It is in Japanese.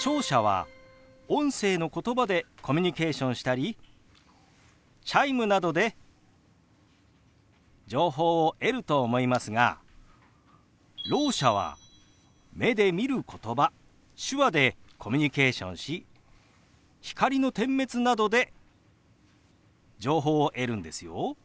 聴者は音声のことばでコミュニケーションしたりチャイムなどで情報を得ると思いますがろう者は目で見ることば手話でコミュニケーションし光の点滅などで情報を得るんですよ。